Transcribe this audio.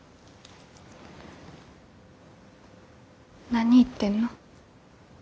何言ってんの。